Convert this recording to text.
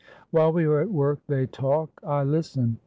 While we are at work they talk; I listen.